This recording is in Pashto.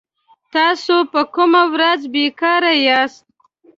تاسو په کومه ورځ بي کاره ياست